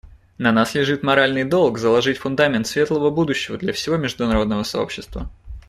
На нас лежит моральный долг заложить фундамент светлого будущего для всего международного сообщества.